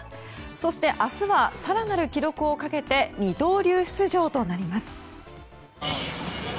そして明日は更なる記録をかけて二刀流出場となります。